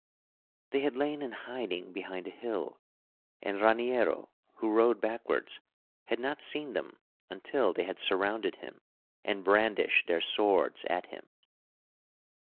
They had lain in hiding behind a hill, and Raniero—who rode backwards—had not seen them until they had surrounded him and brandished their swords at him.